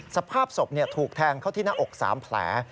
สภาพศพถูกแทงเข้าที่หน้าอก๓แผล